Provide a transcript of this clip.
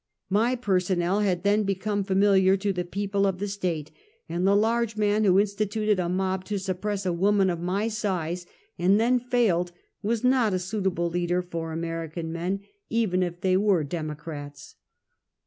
M.J personnel had then become familiar to the people of the State, and the large man who instituted a mob to suppess a woman of my size, and then failed, was not a suitable leader for American men, even if they were Democrats.